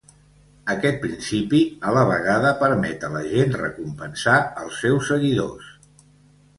Aquest principi, a la vegada, permet a la gent recompensar els seus seguidors.